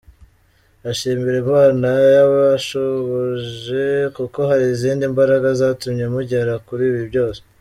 Ndashimira Imana yabashoboje kuko hari izindi mbaraga zatumye mugera kuri ibi byose.